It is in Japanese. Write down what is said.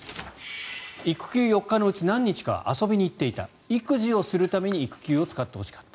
育休４日のうち何日か遊びに行っていた育児をするために育休を使ってほしかった。